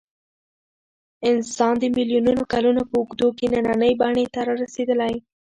انسان د میلیونونو کلونو په اوږدو کې نننۍ بڼې ته رارسېدلی.